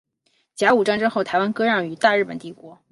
甲午战争后台湾割让予大日本帝国。